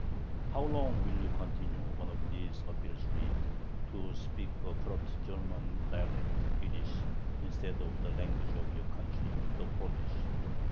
How long will you continue one of these appeals reads to speak a corrupt German dialect [Yiddish] instead of the language of your country, the Polish?